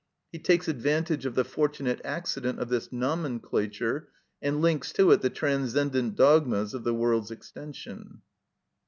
He takes advantage of the fortunate accident of this nomenclature, and links to it the transcendent dogmas of the world's extension.